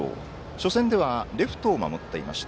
初戦ではレフトを守っていました。